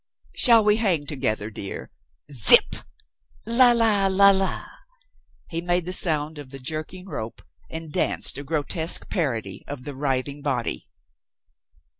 Shall we hang to gether, dear? Zip! La, la, la, la!" He made the sound of the jerking rope and danced a grotesque parody of the writhing body.